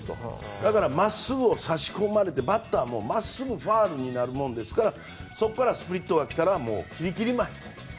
だから、真っすぐを差し込まれてバッターも真っすぐファウルになるものですからそこからスプリットが来たらきりきり舞いと。